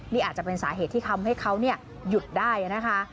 นี่อาจจะเป็นสาเหตุที่ทำให้เขาหยุดได้นะคะ